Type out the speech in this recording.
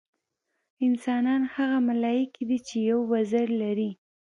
انسانان هغه ملایکې دي چې یو وزر لري.